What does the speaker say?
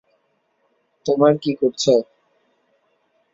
তোমার কী করছ?